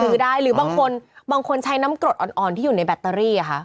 หรือได้หรือบางคนบางคนใช้น้ำกรดอ่อนที่อยู่ในแบตเตอรี่